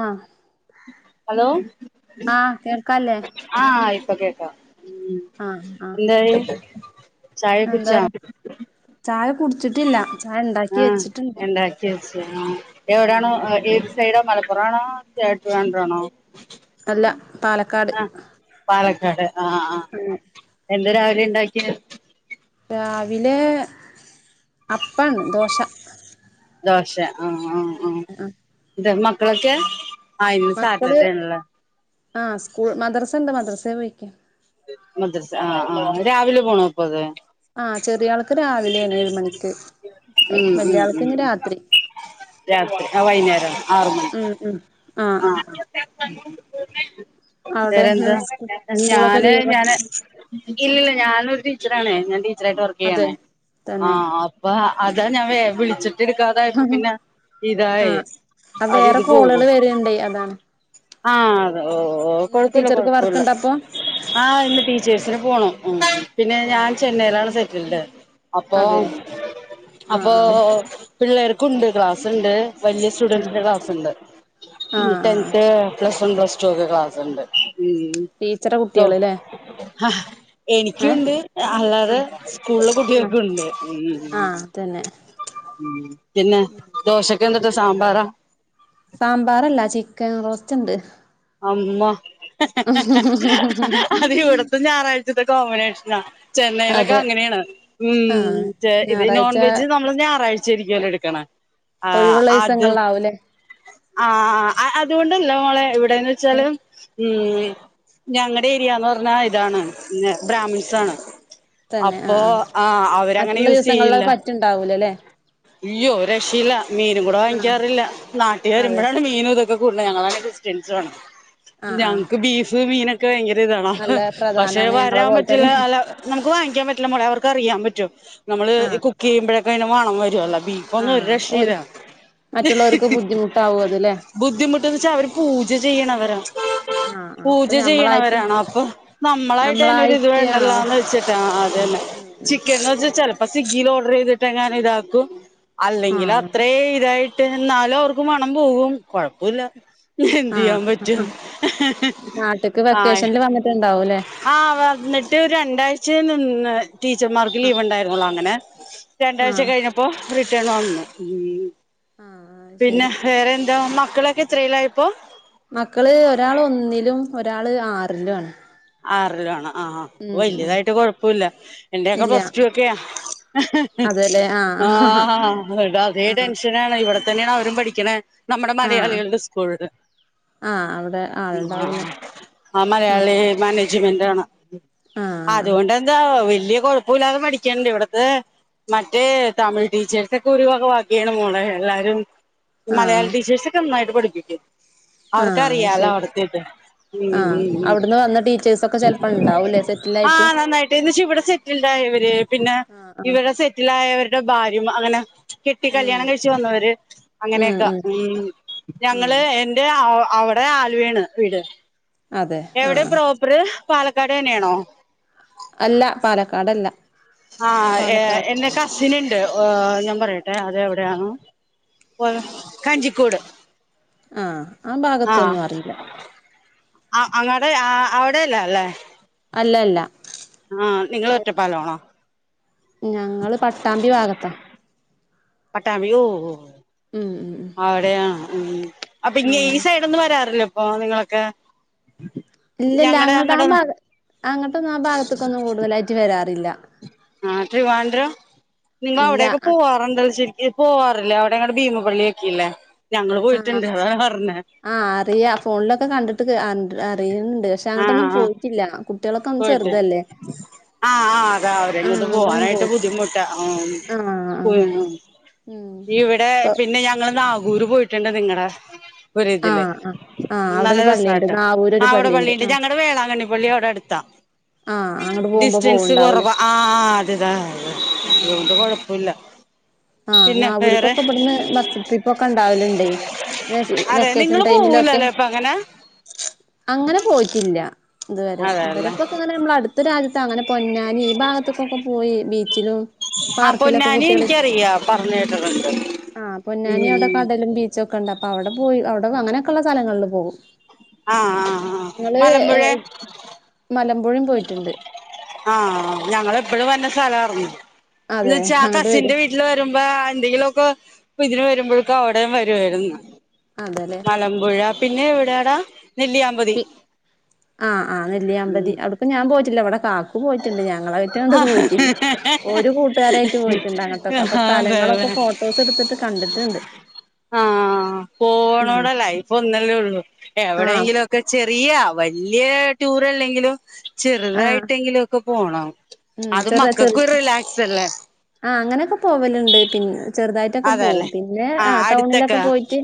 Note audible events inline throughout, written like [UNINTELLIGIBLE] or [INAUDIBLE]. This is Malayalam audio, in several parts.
ആഹ് ഹലോ ആഹ് കേൾക്കല്ലേ ഇപ്പം കേക്കാം ഉം ആഹ് ആഹ് എന്തായി [INAUDIBLE] എന്താ കുടിച്ചാ ചായ കുടിച്ചിട്ടില്ല ചായ ഉണ്ടാക്കി ആ വെച്ചിട്ടുണ്ട് ഇണ്ടാക്കി വെച്ച് ഉം എവിടാണ് ഉം ഏത് സൈടാ മലപ്പുറം ആണോ ട്രിവാൻഡ്രം ആണോ അല്ല പാലക്കാട് ആ പാലക്കാട് ആഹ് ആഹ് എന്റെ ഒരു ഇണ്ടാക്കിയാ രാവിലെ അപ്പംണ് ദോശ ദോശ ആഹ് ആഹ് ആഹ് ഇത മ ക്കളൊക്കെ ആ ഇന്ന് സാറ്റർഡേ ആണല്ലേ ആ സ്കൂൾ മദ്രസ ഉണ്ട് മദ്രസ പോയിക്കാ മദ്രസ ആഹ് ആഹ് രാവിലെ പോണോ ഇപ്പ അത് ആ ചെറിയ ആൾക്ക് രാവിലെയാണ് ഏഴ്‌ മണിക്ക് ഉം ഉം വല്യ ആൾക്ക് ഉം ഇനി ഉം രാത്രി രാത്രി ആ വൈകുന്നേരം മ്മ് മ്മ് ആ ആ [INAUDIBLE] അവിടെ വേറെന്താ സ്കൂളൊക്കെ ഞാന് ലീവാ ഞാന് ഇല്ലില്ല ഞാനും ടീച്ചറാണെ അതെ തന്നെ [UNINTELLIGIBLE] ഇതാ ഞാ വേ വിളിച്ചട്ട് ട്ടെടുക്കാതായിപ്പോ ആഹ് പിന്നെ ഇതായ ആഹ് അത് വേറെ ഇത് കോളുകൾ പോകും. വരുണ്ടേ അതാണ് ആഹ അത ഓ ഓ നിങ്ങ കൊഴപ്പമില്ല ടീച്ചർക്ക് കുഴപ്പില്ല വർക്ക്ണ്ടപ്പൊ ആഹ ഇന്ന് ടീച്ചേഴ്സിന് പോണംോ ഉഉം പിന്നെ ഞാൻ ആഹ് ചെന്നൈയിലാണ് ഇല്ല അപ്പൊ അതെ ആഹ് അപ്പൊ.. ആഹ് പിള്ളേർക്കുണ്ട് ക്ലാസ് ക്ലാസ് ഉണ്ട് വലിയ ആഹ് സ്റ്റുഡന്സിന്റെ ക്ലാസ് ഉണ്ട് മ് ആഹ് ആഹ് tenth plus one plus two ഒക്കെക്ലാസ് ഉണ്ട് ഉം ഉം ടീച്ചറെ ട്ടോ കുട്ടികള് ല്ലേ ആഹ ഏഹ് എനിക്കുണ്ട് അല്ലാതെ ആഹ് സ്കൂളിലെ ആഹ് കുട്ടികൾക്കുണ്ട് ഉം ഉം ആഹ് ഉം അതന്നെ പിന്നെ ദോശക്കെ എന്തട്ടോ സാമ്പാറാ കെങ്റോസ്‌റ്റിണ്ട് ആമ്മ അഹ് ഹ ഹ അത് ഇവിടത്ത ഞായറാഴ്ചൊക്കെ [UNINTELLIGIBLE] ചെന്നൈയിലൊക്കെ അതെ അങ്ങനെയാണ് ഉ ആഹ് ഇത് നോൺ ഞായറാഴ്ച വെജ് നമ്മള് ഞായറാഴ്ച ആരിക്കുമല്ലോ എടുക്ക ക്കണ ഒഴിവുള്ളദിവസങ്ങളവുലെ ആ ആ അതുകൊണ്ടല്ലോ മോളെ ഇവിടെ എവിടെന്ന് വെച്ചാല ഏഹ് ഉ.. ആഹ് ഞങ്ങളുടെ ഏരിയന്ന് പറഞ്ഞ ഇതാണ് ബ്രാഹ്മിൺസ ആാണ് തന്നെ ആഹ മറ്റുള്ള യൂസ് ദിവസങ്ങളിൽ ചെയ്യില്ല പറ്റണ്ടാവൂലല്ലേ അയ്യോ രക്ഷയില്ല മീനും കൂടെ ആഹ് വാങ്ങിക്കാറില്ല നാട്ടിൽ അതെ വരുമ്പോഴാണ് മീന ഞങ്ങള ഡിസ്റ്റൻസണ് ആഹ് ആഹ് ഞക് ബീഫ് ബീന നക്ക്കഴിഞ്ഞു ഇതണ നല്ല പക്ഷെ പ്രധാനാണ് ഞങ്ങളെ വരാൻ പോലെ പറ്റില്ല തന്നെ അല്ല നമുക്ക് വാങ്ങിക്കാൻ പറ്റില്ല മോളെഅവർക്ക് അറിയാൻ പറ്റില് നമ്മള് ഈ ആഹ് കുക്ക് ചെയ്യുമ്പോഴ അയിന്റെ മണംവരും [UNINTELLIGIBLE] ബീഫൊന്നും ആഹ് ഓര് ഒരുരക്ഷയില്ല മറ്റുള്ളവർക്ക് ഹി-ഹി-ഹി-ഹി ബുദ്ധിമുട്ടാവും അത് ല്ലേ ബുദ്ധിമുട്ടന്ന്വച്ചാ അവര് പൂജചെയ്യണവരാ ആഹ് ആഹ് അപ്പൊ പൂജ ഞമ്മളായിട്ട് ചെയ്യണവരാണപ്പൊ നമ്മളായിട്ടതിനൊരിത് ഞമ്മളായിട്ട് ആഹ് വേണ്ടല്ലോന്ന് വെച്ചിട്ടാ അതന്നെ ഉം ഉം ചിക്കൻന്ന്വെച്ച ചെലപ്പൊ സ്വിഗ്ഗിയിലോഡർചെയ്തിട്ട് എങ്ങാനും ഇതാകും തോ ആഹ് അല്ലെങ്കിലത്രേ ഇതായിട്ട് പിന്നെന്നാലും അവർക്ക് മണംപോകും കൊഴപ്പുല്ല എന്തെയ്യാൻപറ്റും ആഹ് ഹെ -ഹെ-ഹെ-ഹെ നാട്ട്ക്ക് ആയി വെക്കേഷനില് വന്നിട്ടുണ്ടാവൂല്ലേ ആ എന്നിട്ട് രണ്ടാഴ്ചയെ നിന്ന് ടീച്ചർമാർക്ക് ആഹ് ലീവ്ണ്ടായിരുന്നോള്ളോ അങ്ങനെ രണ്ടാഴ്ച ആഹ് കഴിഞ്ഞപ്പൊ റിട്ടൺവന്നു ഹ്മ് ആഹ് അത് പിന്നെ ശരി വേറെയെന്താ മക്ക് മക്കളൊക്കെത്രയില ഇപ്പോ മക്കള് ഒരാളൊന്നിലും ഒരാള് ആറിലുആണ് ആറിലാണ ആഹ് വലിയതായിട്ട് കൊഴപ്പൊല്ല എന്റെയൊക്കെ ഇല്ല പ്ലസ്ടു ഒക്കെയ അതെല്ലേ ആഹ് ആ ഈടെ അതേ ആഹ് ടെൻഷനാണ് ഇവിടെ ഇതെന്നെയാണവരും പഠിക്കണേ നമ്മടെ ആഹ് മലയാളികളുടെ സ്കൂളില് ആഹ് അവിടെ ഹാ ആളുണ്ടാവൂലേ ആ മലയാളി ആഹ് മാനേജ്മെന്റാണ് ആഹ് അതുകൊണ്ടെന്താ വല്യ കൊഴപ്പോല്ലാതെ പഠിക്കനണ്ട് ഇവിടത്തെ മറ്റേ തമിഴ്ടീച്ചേഴ്സൊക്കെ ഒരുവക വാകയാണ് മോളെ എല്ലാരും ആഹ് മലയാളടീച്ചേർസൊക്കെ നന്നായിട്ട് പഠിപ്പിക്കും [INAUDIBLE] ആഹ് അത് അവർക്കറിയാലോ ശരി അവിടത്തെ ഇത് ആഹ് ഉം-ഉം-ഉം അവിടുന്ന് വന്ന ടീച്ചേഴ്സൊക്കെ ചെലപ്പോ ഉണ്ടാവൂലേ സെറ്റിൽ ആയിട്ട് ആഹ് നന്നായിട്ട്ന്ന്ച്ചിവിടെ സെറ്റിൽഡായവര് പിന്നെ ആഹ് ആഹ് ഇവിടെ സെറ്റിലായവര് ന്റെ ഭാര്യയും അങ്ങനെ കെട്ടി ഉം കല്യാണംകഴിച്ച് വന്നവര് അങ്ങനെയൊക്ക ഉം ഉം ഞങ്ങള് എന്റെ ആ അവിടെ ആലുവയാണ് വീട് അതെ എവിടെയാ ആഹ് പ്രോപ്പറ് പാലക്കാടെന്നെയാണോ അല്ല പാലക്കാടല്ല ആഹ് പാലക്കാട് എന്റെ കസിന്ണ്ട് ഞാൻപറയട്ടെ അതെവിടെയാണ് കഞ്ചിക്കോട് ആഹ് ആഭാഗത്തൊന്നു അറിയില്ല ആ അങ്ങടെ അവിടെല്ല അല്ലേ അല്ലല്ല ആഹ് നിങ്ങള് ഒറ്റപ്പാലമാണോ ഞങ്ങൾ പട്ടാമ്പി ഭാഗത്താ പട്ടാമ്പി ഓ ഓ ഉം ഉം ഉം അവിടെയാണ് ഉം അപ്പൊ ഇങ്ങ ആഹ് ഈ സൈഡ് ഒന്നും വരാറിലെ അപ്പൊ നിങ്ങളൊക്കെ ഇല്ലല്ല ഞങ്ങടെ അങ്ങട്ട ആ അങ്ങടെ ഭാഗ അങ്ങോട്ടൊന്നും ആ ഭാഗത്തേക്കൊന്നും കൂടുതൽ ആയിട്ടുവരാറില്ല ആഹ ട്രിവാൻഡ്രം നിങ്ങൾ ഇല്ല അവിടെയൊക്കെ പോവാറുണ്ടോ ശെരിക്കും പോവാറില്ലേ അവിടെയെങ്ങണ്ടു ഭീമപള്ളിയൊക്കെല്ലേ ആഹ ആ അറിയ ഫോണിലൊക്കെ കണ്ടിട്ട് അറിയാണ്ട് ആഹ പോയിട്ട് ചെറുതല്ലേ ആഹ ആ് ആഹ് അതാവരങ്ങോട്ട് അങ്ങോട്ടൊന്നും പോവാനായിട്ട് പോയിട്ടില്ല ബുദ്ധിമുട്ടാ ആആ ആഹ് ആഹ് ഉം ഉം ഇവിടെ ഇപ്പൊ പിന്നെ ഞങ്ങൾ ടൂർ പോയിട്ടുണ്ടോ നിങ്ങളടെ ആ ആ ആ് അവിടെ ഒരു പള്ളിയുണ്ട് നാവൂര് ഒരു പള്ളിയുണ്ട് ആഹ് ഞങ്ങളടെ വേളാങ്കണ്ണി പള്ളി അവിടെ എടുത്താ ആഹ് അങ്ങോട്ട് പോകുമ്പോ ഡിസ്റ്റൻസ് പോവുണ്ടാവൂലേ കുറവാ ആ അതെ അതുകൊണ്ട് കുഴപ്പമില്ല ആഹ നാവൂർക്കൊക്കെ ഇവിടന്ന് ബസ് ട്രിപ്പൊക്കെ ഉണ്ടാവലുണ്ടേ അതെ വെക്കേഷൻ നിങ്ങള് ടൈമിലൊക്കെ പോവൂലല്ലേ അപ്പൊ അങ്ങനെ അങ്ങനെ പോയിട്ടില്ല ഇതുവരെ അതെല്ലേ ഇവരെപ്പൊക്കെ അങ്ങനെ നമ്മുടെ അടുത്ത രാജ്യത്ത് അങ്ങനെ പൊന്നാനി ഈ ഭാഗത്തൊക്ക ഒക്കെ പോയി ബീച്ച് ആ പൊന്നാനി എനിക്കറിയാം പറഞ്ഞകേട്ടിട്ടുണ്ട് ആഹ് പൊന്നാനി അവിടെ കടലും ബീച്ചൊക്കെ ഉണ്ട് അപ്പ അവിടെ പോയി അവിടെ അങ്ങനൊക്കെയള്ള സ്ഥലങ്ങളിൽ പോകും ആഹ ആഹ് ആഹ് മലമ്പുഴ എപ്പോഴും പോയിട്ടുണ്ട് ആഹ ഞങ്ങൾ എപ്പോഴും വന്ന സ്ഥലായിരുന്നു. അതെ എന്നുവെച്ചാ ആ അങ്ങോട്ട് കസിന്റെ വരും വീട്ടിൽ വരും ഇപ്പാ എന്തെങ്കിലുമൊക്കെ ഇതിന് വരുമ്പോക്കെ അവിടെയും വരുമായിരുന്നു അതെല്ലേ മലമ്പുഴ പിന്നെ വെ യെടാ പി ആഹ് ആഹ് നെല്ലിയാമ്പതി അവിടെയിപ്പം ഞാൻ പോയിട്ടില്ല ഇവിടെ ക ആഹ് ഒരു കൂട്ടുകാരായിട്ട് പോയിട്ടുണ്ട് അങ്ങോട്ടൊക്കെ അപ്പൊ അതെയല്ലേ സ്ഥലങ്ങളൊക്കെ ഫോട്ടോസ് എടുത്തിട്ട് കണ്ടിട്ടുണ്ട് ആഹ് ഉം പോണോടെ ലൈഫ് ഒന്നല്ലേള്ളൂ ആഹ് എവിടെങ്കിലും ഒക്കെ ചെറിയ വലിയ ടൂർ അല്ലെങ്കിലും ചെറുതായി ആഹ് ട്ടുണ്ടങ്കിലും ഒക്കെ പോണം ഉം അത് മക്കൾക്കും ഒരു [UNINTELLIGIBLE] റിലാക്സ് അല്ലേ ആഹ് അങ്ങനെയൊക്കെ പോവലുണ്ട് പിന്നെ ഒന്ന് ചെറുതായിട്ടൊക്കെ പോക്കും അതല്ലേ പിന്നെ ആ ആഹ് ടൗണിലൊക്കെ അടുത്തൊക്കെ പോയിട്ട്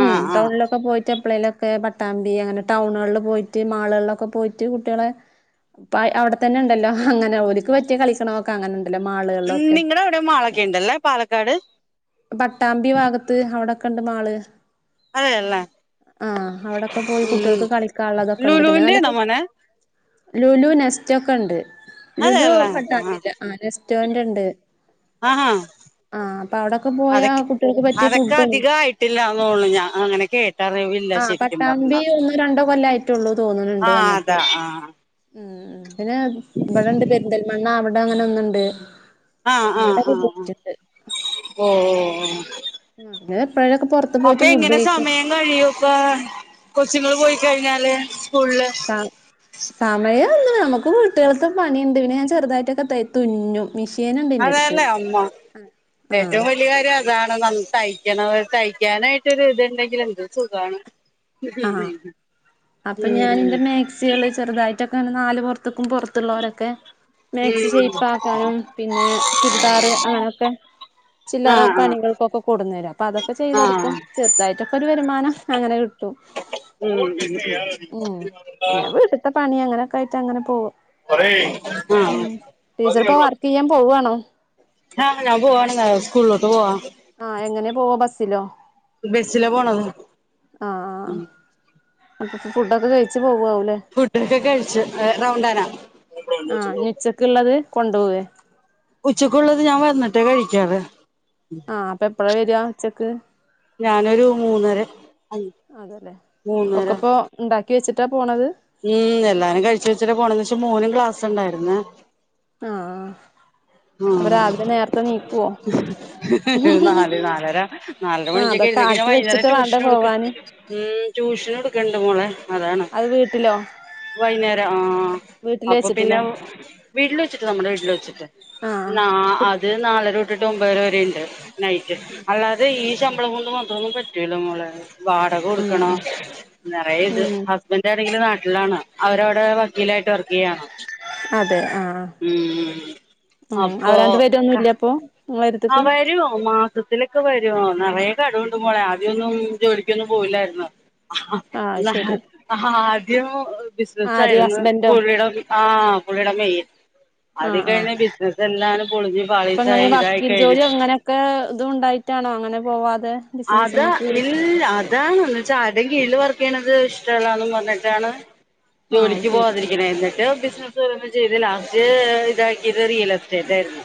ഉം ആഹ് ആഹ് ടൗണിലൊക്കെ പോയിട്ട് സ്റ്റ്‌ എപ്പോളെലുമൊക്കെ പട്ടാമ്പി അങ്ങനെ ടൗണുകളിൽ പോയിട്ട് മാളുകളിലൊക്കെ പോയിട്ട് കുട്ടികളെ പൈ അവിടെ തന്നെ ഉണ്ടല്ലോ അങ്ങനെ ഓര്ക്കു പറ്റിയ കളിക്കണോക്കെ അങ്ങനെ ഉണ്ടല്ലോ ഉം മാളുകളിലൊക്കെ നിങ്ങടെ അവിടേം മാൾ ഒക്കെണ്ടല്ലേ പാലക്കാട് പട്ടാമ്പി ഭാഗത്ത് അവിടെ കണ്ട് മാള് അതെയല്ലേ ആഹ് അവിടൊക്കെ പോയി ഉം കുട്ടികൾക്ക് കളിക്കാനുള്ളതൊക്കെ ഉണ്ട് പിന്നെ ലുലൂന്റെന്നേ നല്ല മോനെ ലുലു നെസ്റ്റക്കെ ഇണ്ട് ലുലു അതെയല്ലേ പട്ടാമ്പി ആഹ് ഇല്ല ആ റെസ്റ്റോറന്റ ഉണ്ട് ആഹാ ആ അപ്പൊ അവിടെ അതൊക്കെ അതൊക്കെ അധികയിട്ടില്ലന്നോള്ളു ഞാൻ അങ്ങനെ കേട്ടറിവില്ല ആഹ് ശരിക്കും പറഞ്ഞ പട്ടാമ്പി ഒന്നോ രണ്ടോ കൊല്ലായിട്ടുള്ളൂ ആഹ് അതാ ആഹ് മ്മ് പിന്നെ ഇവിടെണ്ട് പെരിന്തൽമണ്ണ അവിടെ അവിടെ അങ്ങനെ ഒന്നുണ്ട് ആഹ് ആഹ് ആഹ് അങ്ങോട്ടൊക്കെ ആഹ് പോയിട്ടുണ്ട് ഓഹ് ഓഹ് ഏഹ് അപ്പൊ എങ്ങനെ സമയം കഴിയും ഇപ്പോ കൊച്ചുങ്ങ പോയി കഴിഞാല് സാ സമയം നമുക്ക് വീട്ട്കൾക്കും പണിയുണ്ട് പിന്നെ ഞാൻ ചെറുതായിട്ടൊക്കെ തയ് തുന്നും മിഷീൻ ഉണ്ട് എന്റെ അടുത്ത് അതല്ലേ അമ്മ ആഹ് ഏറ്റവും വലിയ കാര്യം അതാ തയ്ക്കണം തയ്ക്കാനായിട്ടൊരു ഇത്ണ്ടെങ്കിലും എന്ത്‌ സുഖമാണ് ആഹ് അപ്പൊ ഞാൻ എന്റെ മാക്സികള് ചെറുതായിട്ട് ന [UNINTELLIGIBLE] ത്ക്കും പുറത്തുള്ളരൊക്കെ മേക്സി ഉം ഷെയ്പ്പ് ആക്കാനും പിന്നെ ചുരിദാറ് അങ്ങനെയൊക്കെ ചില്ലറ ആഹ് ആഹ് പണികൾക്കൊക്കെ കൊട്ന്നര പ്പ അതൊക്കെ ചെയ്തൊടക്കും ആഹ് ചെറുതായിട്ട് പ്പരു വരുമാനം അങ്ങനെ ഇ ഉം ഓ പിന്നെയാ ഉം പിന്നെ വീട്ട്ത പണി അങ്ങനെ ക്കയിട്ട്ങ്ങനെ പോകും ആഹ് ഉം ടീച്ചർപ്പ വർക്ക്യ്യാൻ പോവാണോ ആ ഞാ പോവാണ് സ്കൂളോട്ട് പോവാ ആ എങ്ങനെ പോവ ബസ്സിലോ ബെസ്സില പോണത് മ് അപ്പപ്പം ഫുഡ്ഒക്കെ കഴിച്ച പോവവുലെ ഫുഡൊക്കെ കഴിച്ച് റൗണ്ടാന ആ ഞ് ഉച്ചക്ള്ളത് കൊണ്ടൊവുലെ ഉച്ചക്കുള്ളത് ഞാൻ വന്നിട്ടേ കഴിക്കാതെ ഉം പ്പഴ വരാ ച്ചെക്ക് ഞാനൊരു മൂന്നര അയ് മൂന്നര ത്ത പോണത് ഉം എല്ലാരും കഴിച് വെച്ചിട്ട് പോണത് ശെ മോന് ക്ലാസ്ണ്ടായിരുന്നെ ആ ആ നാല് നാലര നാലര മണിക്കൊക്കെ ആ നാല് നാലര നാലര ആ മണിക്കൊക്കെ അതൊക്കെ എഴുന്നേറ്റ് ഞാൻ ആക്കി വൈന്നേര വെച്ചിട്ട് വേണ്ടേ ട്യൂഷൻ എടുക്ക പോവാന് ഉ ട്യൂഷൻ എടുക്കണ്ട് മോളെ അതാണ് അതു വീട്ടിലോ വൈന്നേരം ആ വീട്ടില് അപ്പൊ പിന്നെ വെച്ചിട്ടല്ലേ വീട്ടില് വച്ചിട്ട് നമ്മുടെ വീട്ടില് വച്ചിട്ട് ആ ന അത് നാലര രട്ട് ഒമ്പേരവരെ ഉണ്ട് നൈറ്റ്‌ അല്ലാതെ ഈ സം റ്റള വൊണ്ട് മാത്രന്നും പറ്റൂല മോളെ വാടക ആ കൊടുക്കണോ നിറയ ഇത് ഉം ഹസ്ബന്റ്ണങ്കിൽ നാ ട്ടില്ലാണൊ അവരോ ടെ വക്കീലായിട്ട് വർക്കയ്യാണോ അതെ ആ ഉ അവ അപ്പൊ രണ്ടു പേര ഒന്നും ക ഇല്ലപ്പൊ ആ വരൊ മാ തുത്തിലൊക്കെ വരൊ നിറയ കടുണ്ട് മോളെ ആദ്യന്നും ജോലിക്കൊന്നും പോവില്ലായിരുന്നു അഹ് ആ ഇല്ലഹേ ആ ത്തിയോ അഹ് ബിസിനസ് ആര് ആയിരുന്നു ഹസ്ബൻഡോ പുള്ളിടെ ആഹ് പുള്ളിയട മെയിൻ ആ അത് ആ കഴിഞ്ഞു ബിസിനസ് എല്ലാം അതിനു പൊളിഞ്ഞു അപ്പൊ ഇങ്ങനെ പാളിസായി ഇതായി വക്കീൽ കഴിഞ്ഞ് ജോലി അങ്ങനെയൊക്കെ ഇതും ഉണ്ടായിട്ടാണോ അങ്ങ [UNINTELLIGIBLE] പോവാ അതാ ഇല്ല അതാണന്ന് വച്ചാ ആരെ കീഴിൽ വർക്ക് ചെയ്യണത് ഇഷ്ടമല്ലാന്നും പറഞ്ഞിട്ടാണ് ആ ജോലിക്ക് ശരി പോകാതിരിക്കണെ എന്നിട്ട് [UNINTELLIGIBLE] ചെയ്ത് ലാസ്റ്റ് ഇതാക്കിയത് റിയൽ എസ്റ്റേറ്റ് ആയിരുന്നു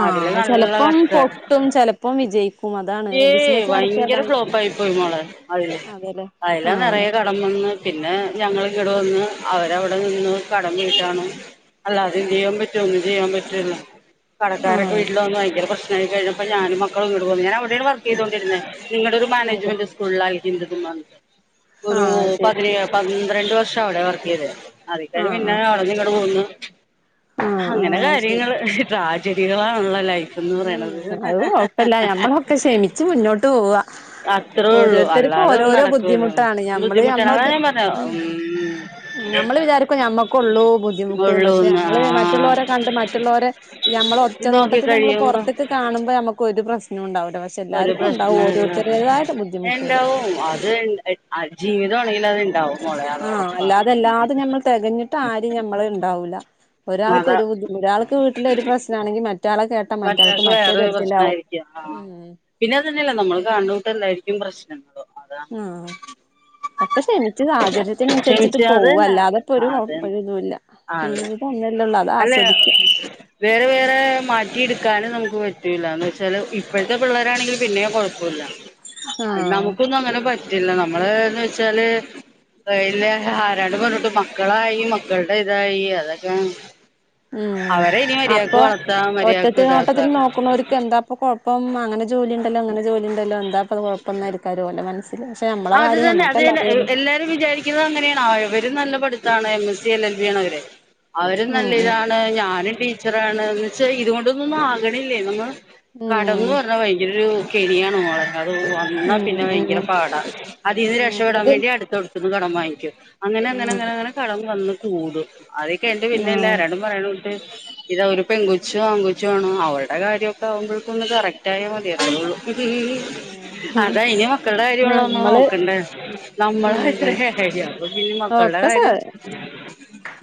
ആഹ് അതില് അത് നല്ല ചെലപ്പം കഷ്ടായി പൊട്ടും ചിലപ്പം വിജയിക്കും അതാണ് ഏയ് ബിസിനസ് നടത്തിയ ഭയങ്കര അതാണ് ഫ്ലോപ്പ് ആയി പോയി മോളെ അതില് അതെല്ലേ അതിലാ ആഹ് നിറയെ കടം വന്ന് പിന്നെ ഞങ്ങള് ഇവ്ട വന്ന് അവരവിടെ നിന്ന് കടം വീട്ടാണ് അല്ലാതെ എന്ത് ചെയ്യാൻ പറ്റും ഒന്നും ചെയ്യാൻ പറ്റ് [UNINTELLIGIBLE] കടക്കാരൊക്കെ ആഹ് വീട്ടില് വന്ന് ഭയങ്കര പ്രേശ് [UNINTELLIGIBLE] കഴിഞ്ഞപ്പോ ഞാനും മക്കളും ഇങ്ങട് പോന്നു ഞാൻ അവിടെണ് വർ ചെയ്തൊണ്ടിരുന്നേ നിങ്ങളുടെ ഒരു അതെ മാനേജ്മെന്റ് സ്കൂളില് ആയി [UNINTELLIGIBLE] ഒരു ആഹ് അത് ശരി പതിനേ പത്രണ്ടു വർ [UNINTELLIGIBLE] അവിടെ വർക്ക് ചെയ്തേ അത് കഴിഞ്ഞു ആഹ് പിന്നെ ആഹ് അവിടെന്ന് ഇങ്ങട് പോന്നു ആഹ് അങ്ങനെ ആഹ് അത് ശരി കാര്യങ്ങള് ട്രാജ കുട്ടികളാണല്ലോ ലൈ ഉം അത് കൊഴപ്പല്ല ഞമ്മളൊക്കെ [UNINTELLIGIBLE] ക്ഷമിച്ച് മുന്നോട്ട് പോവ ഓരോരുത്തർക്കും അല്ലാതെ ഒന്നും ഓരോരോ നടക്കൂല ബുദ്ധിമുട്ടാണ് ഞമ്മള് ബുദ്ധിമുട്ടാണ് അതാ നമ്മൾക്ക് ഞാൻ പറഞ്ഞ ഉം ഉം നമ്മള് വിചാരിക്കും ഞമ്മക്കുള്ളു ബുദ്ധിമുട്ട് പക്ഷെ ഉള്ളൂന്ന് നമ്മള് ആഹ് മറ്റുള്ളവരെ കണ്ട് മറ്റുള്ളവരെ ഞമ്മൾ ഇത് നോക്കി ഒറ്റനോട്ടത്തിൽ നമ്മൾ കഴിയുമ്പോ പുറത്തൊക്കെ കാണുമ്പോൾ നമുക്ക് ഒരു പ്രശ്നം ഉണ്ടാവൂല പക്ഷെ ഒരു എല്ലാർക്കും പ്രശ്ന ഉണ്ടാവും ഓരോരുത്തരുടേതായ ബുദ്ധിമുട്ടുകള് ഇണ്ടാവും, ഇണ്ടാവും അത് ജീവിതമാണെങ്കിൽ അത്ണ്ടാ ആഹ് അല്ലാതെ അല്ലാതെ ഞമ്മൾ തികഞ്ഞിട്ട് ആരും നമ്മള് ഉണ്ടാവൂല അതാ ഒരാൾക്കൊരു ബുദ്ധിമു ഒരാൾക്ക് വീട്ടില് ഒരു പ്രശ്നാണെങ്കി മറ്റ് മറ്റൊരാൾക്ക് വേറൊരു പ്രശ്ന ആയിരിക്കാം ആഹ് ഉം പിന്നെ അത് തന്നെയല്ലേ നമ്മള് കാണണത് പോലെ അല്ലായിരി [UNINTELLIGIBLE] പ്രശ്നം അപ്പോ ആ ഒക്കെ ക്ഷമിച്ച് സാഹചര്യത്തിനനുസരിച്ചിട്ട് ക്ഷമിച്ച അത് പോവ തന്നെ അല്ലാത്പ്പോ ഒരു അതന്നെ [UNINTELLIGIBLE] അതെ ജീവിതം ഒന്നല്ലേ ഉള്ളൂ അത് അല്ല ആസ്വദിക്കാ [UNINTELLIGIBLE] എടുക്കാനും നമുക്ക് പറ്റൂല്ല എന്താച്ചാല് ഇപ്പഴ്ത്തെ പിള്ളേരാണെങ്കിൽ പിന്നേം കൊഴപ്പയില്ല അത് ആഹ് നമ്മുക്കൊന്നും അങ്ങനെ പറ്റ് പറ്റില്ല നമ്മള്ന്ന് വച്ചാല്ല് ആരാണ്ട് പറഞ്ഞിണ്ട് മക്കളായി മക്കളുടെ ഇതായി അതൊക്കെ ഉം അവരെ ഇനി മര്യാക്ക് വളർത്താം മര്യാ ഒറ്റനോട്ടത്തിൽ നോക്കുന്നവര്ക്ക് എന്താപ്പ കൊഴപ്പം അങ്ങനെ ജോലി [UNINTELLIGIBLE] അങ്ങനെ ജോലി ഇണ്ടല്ലോ എന്താപ്പ അത് കൊഴപ്പന്നായിരിക്കും അവര് ഓലെ മനസ്സി ആ അത് തന്നെ അത് തന്നെ എ എല്ലാവരും വിചാരിക്കുന്നത് അങ്ങനെയാണ് അവര് നല്ല പഠിത്ത് [UNINTELLIGIBLE] M S C L L B ആണ് അവര് അവരും നല്ല ഉം ഉം ഇതാണ് ഞാനും പി ടീച്ചറാണ് എന്ന് വെച്ചാ ഇതുകൊണ്ടൊന്നും ആകണില്ലേ നമ്മള് കടംന്ന് പറഞ്ഞാ ഭയങ്കര ഒരു കെണിയാണ് മോളെ അത് വന്നാ ഉം പിന്നെ ഉം ഭയങ്കര ഉം പാടാ അതിന്ന് ഉം രക്ഷപ്പെടാൻ നമുക്ക് വേണ്ടി അടുത്തോ [UNINTELLIGIBLE] കടം വാങ്ങിക്കും. അങ്ങനെ അങ്ങനെ ഉം നങ്ങനെ അങ്ങനെ കടം വന്നു ചൂട് അതൊക്കെ എന്റെ [UNINTELLIGIBLE] ആഹ് ആരണ്ടും പറയ ഇതവര് പെൺകൊച്ചും ആങ്കോച്ചും ആണ് അവരുടെ കാര്യമൊക്കെ ആവുമ്പോയ്ക്കും ഒന്ന് കറക്റ്റ് ആയാ മതിയാര്ന്ന്. ഉം അതെയ് ഇനി മക്കളുടെ കാര്യള്ളൂ [UNINTELLIGIBLE] നമ്മള് നോക്കണ്ടേ നമ്മള് ഉം [UNINTELLIGIBLE] അപ്പൊ പിന്നെ മക്കളുടെ ഒക്കെ സ കാര്യം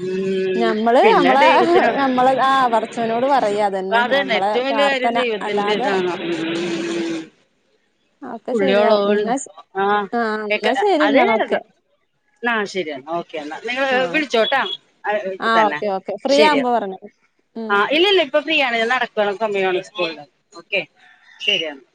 ഉം ഞമ്മള് പിന്നെ നമ്മളെ ദൈവത്തിന് ഞമ്മള് ആ പടച്ചവനോട് പറയ അതന്നെ ഞമ്മളെ ഏറ്റവും വലിയ കാര്യം പ്രാർത്ഥന ദൈവത്തിന്റെ അല്ലാതെ ഇതാണ് ഉം ഒക്കെ ശെരിയാവും പുള്ളിയോളോണ്ട് ആ അത് നേരം എന്നാ ആ ശരിയാ ഓക്കെ എന്നാ നിങ്ങള് ആഹ് വിളിച്ചോട്ടാ ആഹ് ഓക്കെ [UNINTELLIGIBLE] ഓക്കെ ഫ്രീ ആവുമ്പോ ശരിയെന്നാ പറഞ്ഞോ ഉം ആ ഇല്ലല്ല ഇപ്പൊ ഫ്രീയാണ് ഞാൻ നടക്കണ സമയാണ് സ്കൂളില് ഓക്കെ ശരിയന്ന